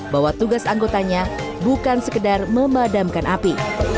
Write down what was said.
bahwa tugas anggotanya bukan sekedar memadamkan api